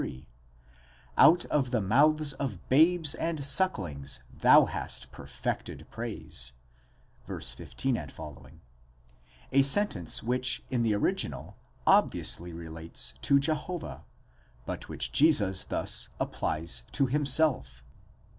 (Out of the mouth of babes and sucklings thou hast perfected praise) {v. 15 f.); a sentence which in the original obviously relates to Jehovah, but which Jesus thus applies to himself.